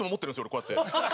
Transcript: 俺こうやって。